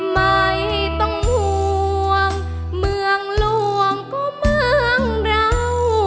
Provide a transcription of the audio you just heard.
ไม่ต้องห่วงเมืองหลวงก็เมืองเรา